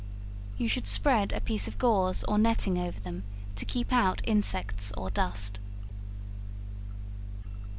You should spread a piece of gauze or netting over them to keep out insects or dust.